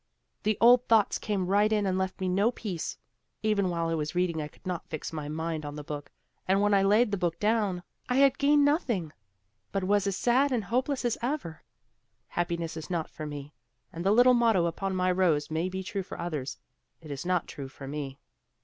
The old thoughts came right in and left me no peace. Even while I was reading I could not fix my mind on the book, and when I laid the book down, I had gained nothing, but was as sad and hopeless as ever. Happiness is not for me, and the little motto upon my rose may be true for others; it is not true for me.